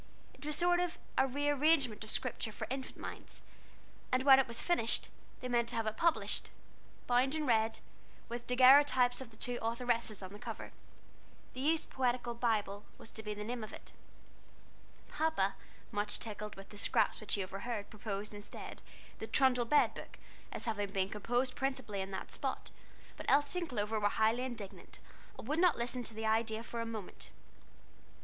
It was a sort of rearrangement of Scripture for infant minds; and when it was finished, they meant to have it published, bound in red, with daguerreotypes of the two authoresses on the cover. "The Youth's Poetical Bible" was to be the name of it. Papa, much tickled with the scraps which he overheard, proposed, instead, "The Trundle Bed Book," as having been composed principally in that spot, but Elsie and Clover were highly indignant, and would not listen to the idea for a moment.